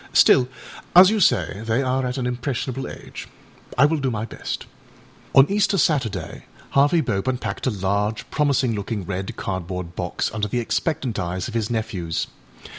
Still, as you say, they are at an impressionable age. I will do my best.â On Easter Saturday Harvey Bope unpacked a large, promising looking red cardboard box under the expectant eyes of his nephews.